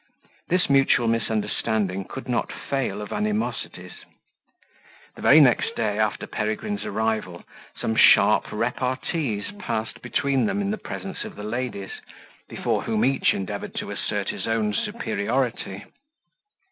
This mutual misunderstanding could not fail of animosities. The very next day after Peregrine's arrival, some sharp repartees passed between them in presence of the ladies, before whom each endeavoured to assert his own superiority.